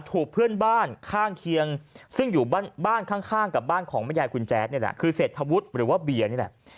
ถูกเพื่อนบ้านข้างเคียงซึ่งอยู่บ้านข้างกับบ้านของแม่ยายคุณแจ๊ดนี่แหละคือเศรษฐวุฒิหรือว่าเบียร์นี่แหละ